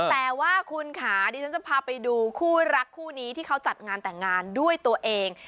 แต่ว่าคุณค่ะดิฉันจะพาไปดูคู่รักคู่นี้ที่เขาจัดงานแต่งงานด้วยตัวเอง